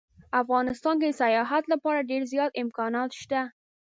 افغانستان کې د سیاحت لپاره ډیر زیات امکانات شته